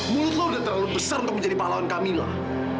mulut lo udah terlalu besar untuk menjadi pahlawan kamilah